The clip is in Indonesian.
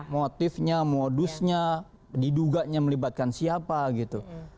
motifnya modusnya diduganya melibatkan siapa gitu